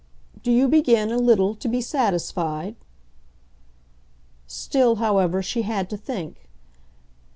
"Do you begin, a little, to be satisfied?" Still, however, she had to think.